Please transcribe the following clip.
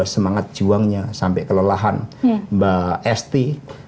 semangat juangnya sampai kelelahan mbak esti dua ribu sembilan belas